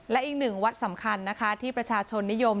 และอีกหนึ่งวัดสำคัญนะคะที่ประชาชนนิยม